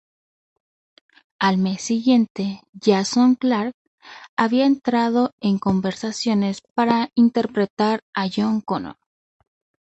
Al mes siguiente, Jason Clarke había entrado en conversaciones para interpretar a John Connor.